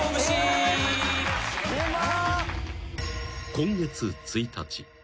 ［今月１日］